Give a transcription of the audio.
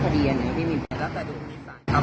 ครั้วเนี้ยที่แบบเขามาขอเจรจาหรืออศน่าให้ส่งอย่างเนี้ยครับ